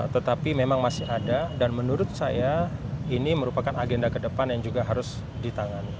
tetapi memang masih ada dan menurut saya ini merupakan agenda ke depan yang juga harus ditangani